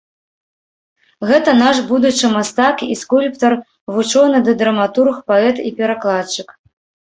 Гэта наш будучы мастак і скульптар, вучоны ды драматург, паэт і перакладчык.